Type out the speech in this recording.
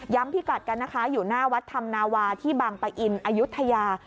ย้ำพี่กัดกันอยู่หน้าวัดธรรมนาวาธิบังปะอินอัยุธยา